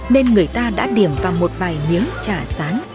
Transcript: nên người ta đã điểm vào một vài miếng chả sán